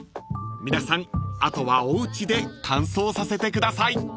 ［皆さんあとはおうちで乾燥させてください］